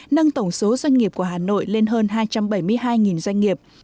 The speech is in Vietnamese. nâng tổng số doanh nghiệp của hà nội lên hơn hai trăm bảy mươi hai doanh nghiệp